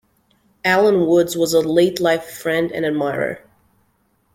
Alan Woods was a late-life friend and admirer.